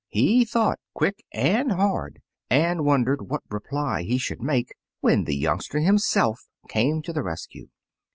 He thought quick and hard, and wondered what reply he should make, when the youngster him self came to the rescue.